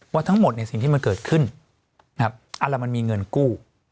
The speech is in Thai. ว่าทั้งหมดในสิ่งที่มันเกิดขึ้นมันมีเงินกู้